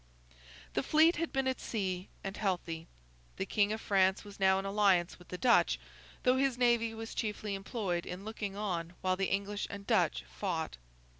The fleet had been at sea, and healthy. The King of France was now in alliance with the Dutch, though his navy was chiefly employed in looking on while the English and Dutch fought.